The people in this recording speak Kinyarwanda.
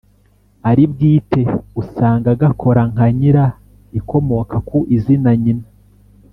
ari bwite. Usanga gakora nka “nyira” ikomoka ku izina nyina.